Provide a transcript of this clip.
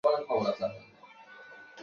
খুনি এখানেই আছে!